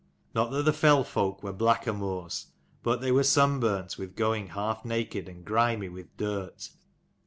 Not that the fell folk were blackamoors; but they were sunburnt with going half naked, and grimy with dirt.